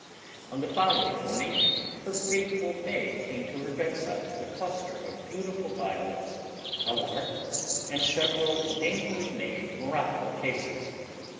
On the following morning her faithful maid came to her bedside with a cluster of beautiful violets, a letter, and several daintily made morocco cases.